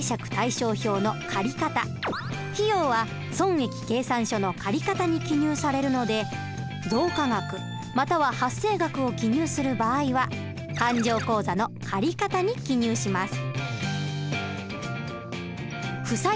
収益は損益計算書の貸方に記入されるので増加額または発生額を記入する場合は勘定口座の貸方に記入します。